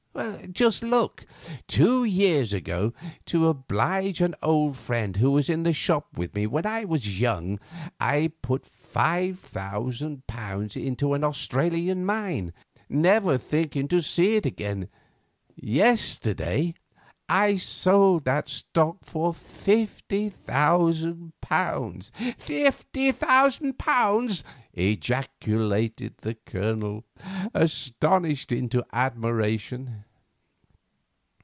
Just look. Two years ago, to oblige an old friend who was in the shop with me when I was young, I put £5,000 into an Australian mine, never thinking to see it again. Yesterday I sold that stock for £50,000." "Fifty thousand pounds!" ejaculated the Colonel, astonished into admiration.